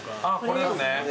あぁこれですね。